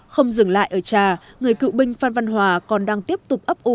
không dừng lại ở trà người cựu binh phan văn hòa còn đang tiếp tục ấp u